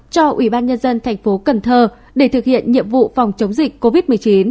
cho ubthqh để thực hiện nhiệm vụ phòng chống dịch covid một mươi chín